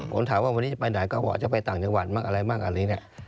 ผมถามว่าวันนี้จะไปไหนก็บอกว่าจะไปต่างจังหวัดมากอะไร